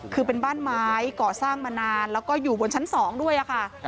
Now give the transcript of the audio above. คือเป็นบ้านไม้ก่อสร้างมานานแล้วก็อยู่บนชั้น๒ด้วยค่ะ